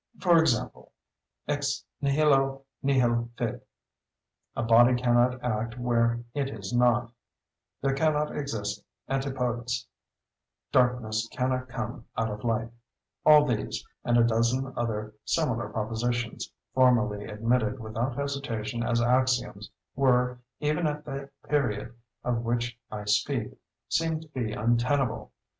For example—"Ex nihilo nihil fit"; "a body cannot act where it is not"; "there cannot exist antipodes"; "darkness cannot come out of light"—all these, and a dozen other similar propositions, formerly admitted without hesitation as axioms, were, even at the period of which I speak, seen to be untenable.